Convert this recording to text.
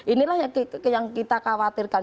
inilah yang kita khawatirkan